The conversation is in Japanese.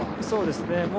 そうですね。